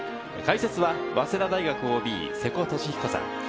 解説は早稲田大学ＯＢ・瀬古利彦さん。